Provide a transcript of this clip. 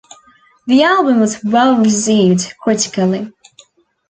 The album was well-received critically.